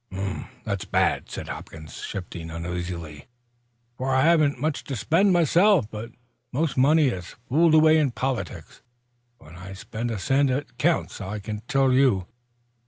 "That's bad," said Hopkins, shifting uneasily, "for I haven't much to spend, myself. But most money is fooled away in politics. When I spend a cent it counts, I can tell you."